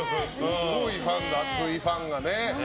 すごい熱いファンがね。